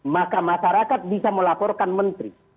maka masyarakat bisa melaporkan menteri